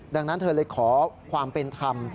ดังนั้นเธอเลยขอความเป็นธรรม